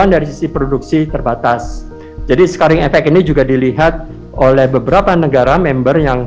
dari sisi produksi terbatas jadi scaring effect ini juga dilihat oleh beberapa negara member yang